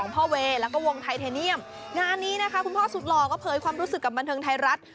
เผ่างานนี้นะคะคุณพ่อสุดหล่อก็เผยความรู้สึกกับบันเทิงไทยรัฐ